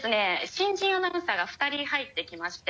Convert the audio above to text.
新人アナウンサーが２人入ってきまして。